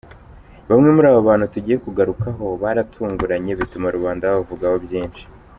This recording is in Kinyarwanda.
Bamwe muri aba bantu tugiye kugarukaho, baratunguranye bituma rubanda babavugaho byinshi.